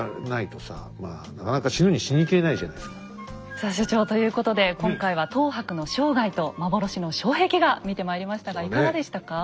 さあ所長ということで今回は等伯の生涯と幻の障壁画見てまいりましたがいかがでしたか？